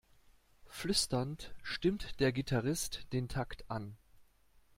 Flüsternd stimmt der Gitarrist den Takt an.